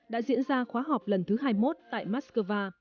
đã diễn ra khóa họp lần thứ hai mươi một tại moscow